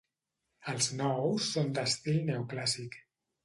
Els nous són d'estil neoclàssic.